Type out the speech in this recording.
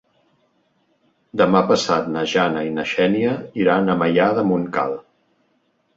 Demà passat na Jana i na Xènia iran a Maià de Montcal.